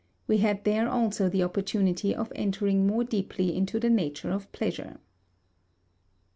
We had there also the opportunity of entering more deeply into the nature of pleasure.